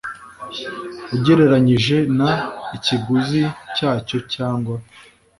ugereranyije n ikiguzi cyacyo cyangwa?